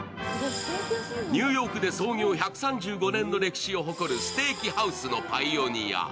ニューヨークで創業１３５年の歴史を誇るステーキハウスのパイオニア。